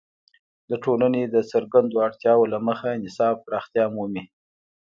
د ټولنې د څرګندو اړتیاوو له مخې نصاب پراختیا مومي.